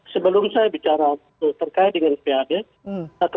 sebelum saya bicara tentang itu